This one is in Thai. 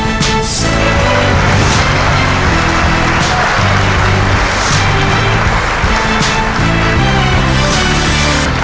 สวัสดีครับ